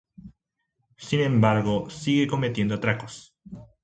Sin embargo, sigue cometiendo atracos.